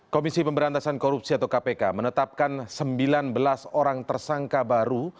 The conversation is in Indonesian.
komisi pemberantasan korupsi atau kpk menetapkan sembilan belas orang tersangka baru